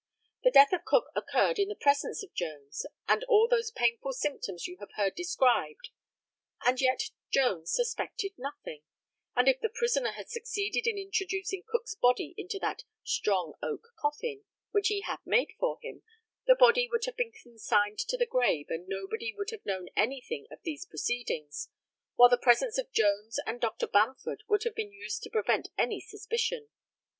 The death of Cook occurred in the presence of Jones, with all those painful symptoms you have heard described, and yet Jones suspected nothing, and if the prisoner had succeeded in introducing Cook's body into that "strong oak coffin" which he had made for him, the body would have been consigned to the grave, and nobody would have known anything of these proceedings, while the presence of Jones and Dr. Bamford would have been used to prevent any suspicion.